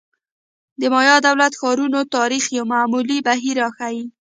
د مایا دولت-ښارونو تاریخ یو معمول بهیر راښيي.